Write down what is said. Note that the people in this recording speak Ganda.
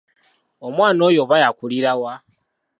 Omwana oyo oba yakulira wa?